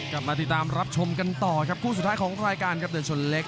กลับมาติดตามรับชมกันต่อครับคู่สุดท้ายของรายการครับเดินชนเล็ก